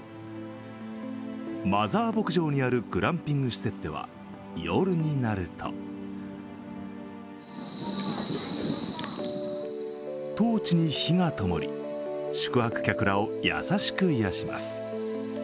マザー牧場にあるグランピング施設では夜になるとトーチに火がともり、宿泊客らを優しく癒やします。